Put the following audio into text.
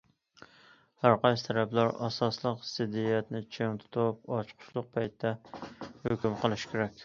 ھەر قايسى تەرەپلەر ئاساسلىق زىددىيەتنى چىڭ تۇتۇپ، ئاچقۇچلۇق پەيتتە ھۆكۈم قىلىشى كېرەك.